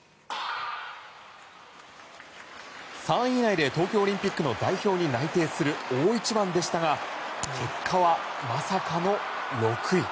３位以内で東京オリンピックの代表に内定する大一番でしたが結果は、まさかの６位。